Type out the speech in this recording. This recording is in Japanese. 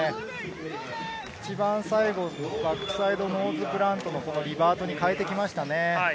一番最後、バックサイドノーズブラントのリバートに変えてきましたね。